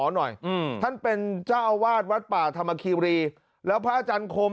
หน่อยอืมท่านเป็นเจ้าอาวาสวัดป่าธรรมคีรีแล้วพระอาจารย์คม